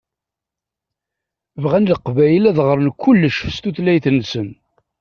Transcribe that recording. Bɣan Leqbayel ad ɣṛen kullec s tutlayt-nsen.